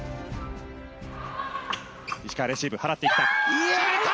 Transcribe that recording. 石川レシーブはらっていった。